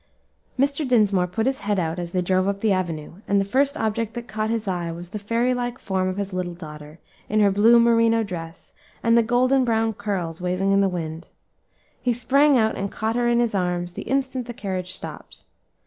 Mr. Dinsmore put out his head as they drove up the avenue, and the first object that caught his eye was the fairy like form of his little daughter, in her blue merino dress, and the golden brown curls waving in the wind. He sprang out and caught her in his arms the instant the carriage stopped.